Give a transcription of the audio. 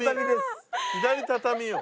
左畳よ。